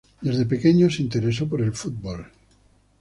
Desde pequeño se interesó por el fútbol.